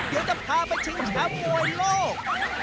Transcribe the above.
เดี๋ยวจะพาไปชิงแชมป์มวยโลก